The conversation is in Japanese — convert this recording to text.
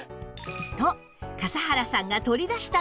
と笠原さんが取り出したのは？